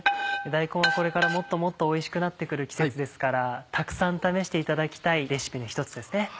大根はこれからもっともっとおいしくなって来る季節ですからたくさん試していただきたいレシピの１つですね。